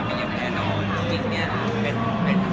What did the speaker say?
เชื่อว่าหลายคนอย่างงี้นะคะ